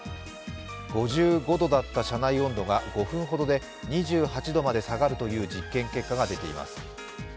５５度だった車内温度が５分ほどで２８度まで下がるという実験結果が出ています。